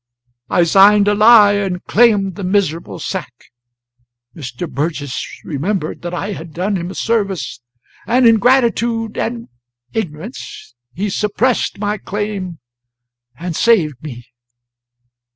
I signed a lie, and claimed the miserable sack. Mr. Burgess remembered that I had done him a service, and in gratitude (and ignorance) he suppressed my claim and saved me.